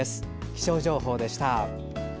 気象情報でした。